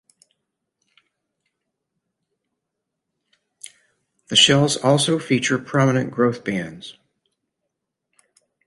The shells also feature prominent growth bands.